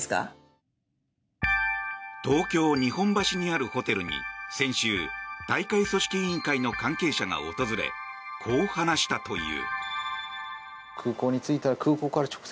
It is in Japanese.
東京・日本橋にあるホテルに先週、大会組織委員会の関係者が訪れこう話したという。